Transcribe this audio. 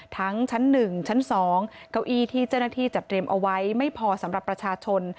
ทั้งชั้น๑ชั้น๒เก้าอี้ที่เจ้าหน้าที่จัดเตรียมเอาไว้ไม่พอสำหรับประชาชน